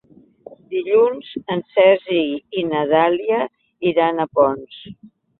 Dilluns en Sergi i na Dàlia iran a Ponts.